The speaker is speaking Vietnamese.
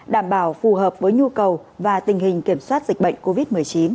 đảm bảo phù hợp với nhu cầu và tình hình kiểm soát dịch bệnh covid một mươi chín